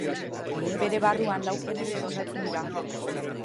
Bere barruan lau genero izendatzen dira.